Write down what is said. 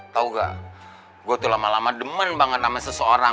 tau gak gue tuh lama lama demen banget nama seseorang